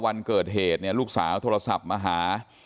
วันเกิดเหตุเนี่ยลูกสาวโทรศัพท์มาหา